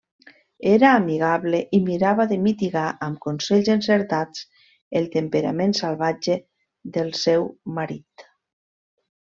Era amigable i mirava de mitigar amb consells encertats el temperament salvatge del seu marit.